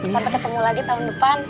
sampai ketemu lagi tahun depan